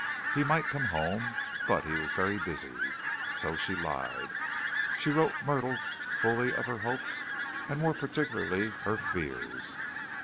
He might come home, but he was very busy. So she lied. But she wrote Myrtle fully of her hopes and, more particularly, her fears.